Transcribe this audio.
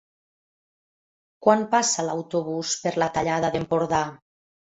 Quan passa l'autobús per la Tallada d'Empordà?